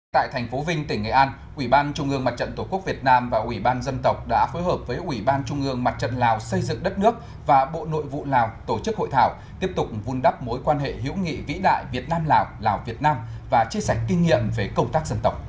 tại thành phố vinh tỉnh nghệ an ủy ban trung ương mặt trận tổ quốc việt nam và ủy ban dân tộc đã phối hợp với ủy ban trung ương mặt trận lào xây dựng đất nước và bộ nội vụ lào tổ chức hội thảo tiếp tục vun đắp mối quan hệ hữu nghị vĩ đại việt nam lào lào việt nam và chia sẻ kinh nghiệm về công tác dân tộc